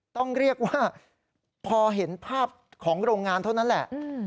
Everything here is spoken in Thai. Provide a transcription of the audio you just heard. ต้องเรียกว่าพอเห็นภาพของโรงงานเท่านั้นแหละ